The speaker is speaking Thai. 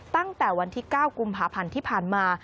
ตั้งแต่วันที่๙กุมภาพันธ์ที่ผ่านมา